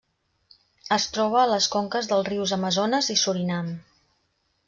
Es troba a les conques dels rius Amazones i Surinam.